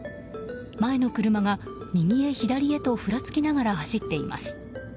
前の車が、右へ左へとふらつきながら走っています。